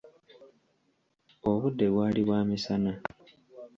Obudde bwali bwa misana.